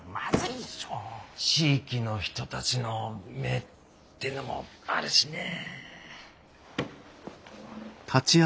地域の人たちの目ってのもあるしねえ。